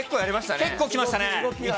結構きましたね。